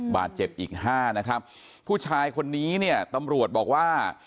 บาดเจ็บอีกห้านะครับผู้ชายคนนี้เนี่ยตำรวจบอกว่า